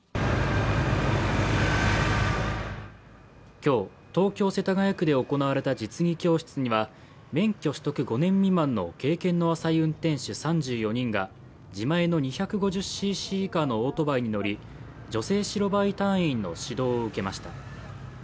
今日、東京・世田谷区で行われた実技教室には免許取得５年未満の経験の浅い運転手３４人が自前の２５０ｃｃ以下のオートバイに乗り、女性白バイ隊員の指導を受けました。